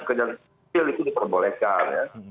kejadian stil itu diperbolehkan ya